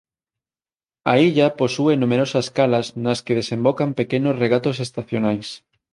A illa posúe numerosas calas nas que desembocan pequenos regatos estacionais.